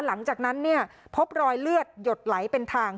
หลังจากนั้นพบรอยเลือดหยดไหลเป็นทาง